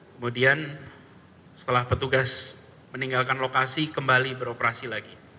kemudian setelah petugas meninggalkan lokasi kembali beroperasi lagi